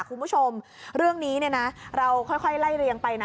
คุณผู้ชมเรื่องนี้เนี่ยนะเราค่อยไล่เรียงไปนะ